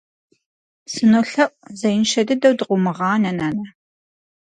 СынолъэӀу, зеиншэ дыдэу дыкъыумыгъанэ, нанэ.